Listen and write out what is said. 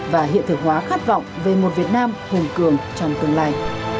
và hiện thực hóa khát vọng về một việt nam hùng cường trong tương lai